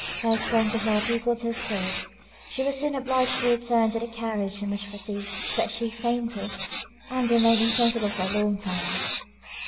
But her strength was not equal to her spirits; she was soon obliged to return to the carriage so much fatigued, that she fainted, and remained insensible a long time.